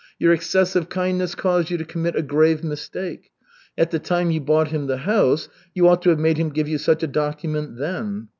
Your excessive kindness caused you to commit a grave mistake. At the time you bought him the house you ought to have made him give you such a document then."